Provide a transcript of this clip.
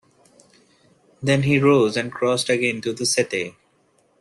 Then he rose and crossed again to the settee.